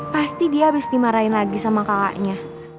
pasti dia habis dimarahin lagi sama kakaknya